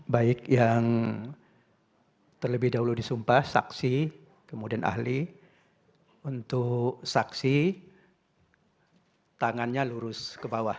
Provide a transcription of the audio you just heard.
baik yang terlebih dahulu disumpah saksi kemudian ahli untuk saksi tangannya lurus ke bawah